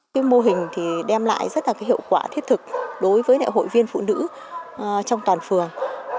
cái mô hình thì đem lại rất là hiệu quả thiết thực đối với nệ hội viên phụ nữ trong toàn phường